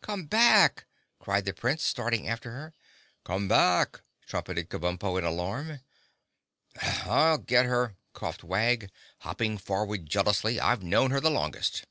"Come back!" cried the Prince, starting after her. "Come back!" trumpeted Kabumpo in alarm. "I'll get her!" coughed Wag, hopping forward jealously. "I've known her the longest."